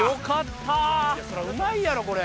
そりゃうまいやろ、これ。